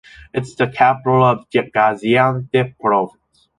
It’s the capital of the Gaziantep province.